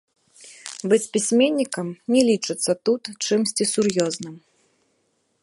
Быць пісьменнікам не лічыцца тут чымсьці сур'ёзным.